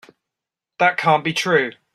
That can't be true.